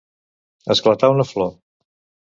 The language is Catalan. Esclatar una flor.